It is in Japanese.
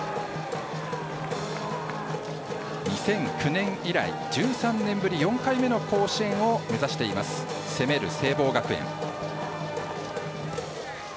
２００９年以来１３年ぶり４回目の甲子園を目指しています攻める聖望学園。